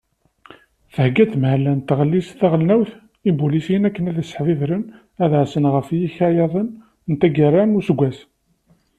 Thegga-d tenmehla n tɣellist taɣelnawt ibulisen akken ad sseḥbibren, ad ɛassen ɣef yikayaden n taggara n useggas.